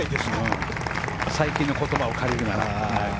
最近の言葉を借りるなら。